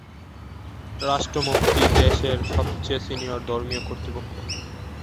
রাষ্ট্র মুফতি দেশের সবচেয়ে সিনিয়র ধর্মীয় কর্তৃপক্ষ।